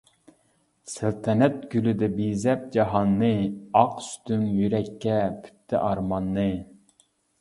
سەلتەنەت گۈلىدە بېزەپ جاھاننى، ئاق سۈتۈڭ يۈرەككە پۈتتى ئارماننى.